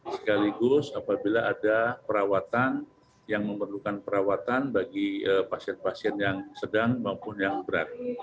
sekaligus apabila ada perawatan yang memerlukan perawatan bagi pasien pasien yang sedang maupun yang berat